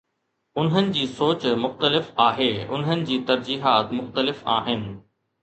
انهن جي سوچ مختلف آهي، انهن جي ترجيحات مختلف آهن.